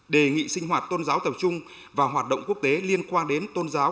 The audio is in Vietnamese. đề nghị sinh hoạt tôn giáo tập trung và hoạt động quốc tế liên quan đến tôn giáo